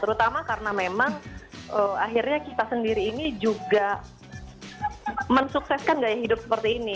terutama karena memang akhirnya kita sendiri ini juga mensukseskan gaya hidup seperti ini